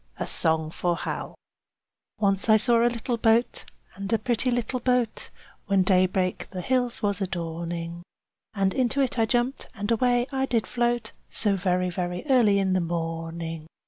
A SONG FOR HAL Once I saw a little boat, and a pretty, pretty boat, When daybreak the hills was adorning, And into it I jumped, and away I did float, So very, very early in the morning.